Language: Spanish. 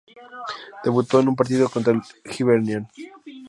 Debutó en un partido contra el Hibernian.